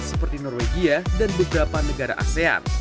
seperti norwegia dan beberapa negara asean